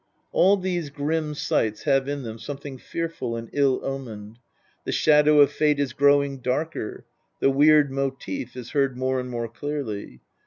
All these grim sights have in them something fearful and ill omened ; the shadow of fate is growing darker, the Weird motive is heard more and more clearly.